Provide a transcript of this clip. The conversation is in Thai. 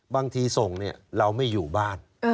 บางทีส่งเราไม่อยู่บ้าน